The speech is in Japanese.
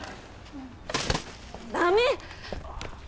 駄目！